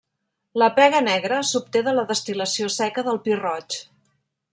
La pega negra s'obté de la destil·lació seca del pi roig.